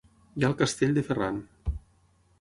Hi ha el Castell de Ferran.